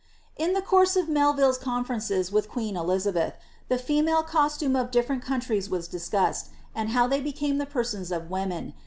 the cour.se of Melville's conferences with queen Elizabeth, the .e costume of different countries was discussed, and how thev be the persons of women.